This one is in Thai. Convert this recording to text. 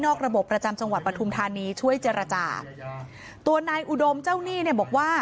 ระบบประจำจังหวัดปฐุมธานีช่วยเจรจาตัวนายอุดมเจ้าหนี้เนี่ยบอกว่า